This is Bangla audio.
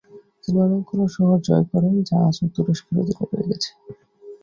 তিনি অনেকগুলো শহর জয় করেন যা আজও তুরস্কের অধীনে রয়ে গেছে।